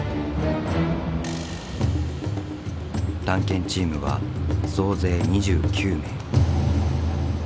探検チームは総勢２９名。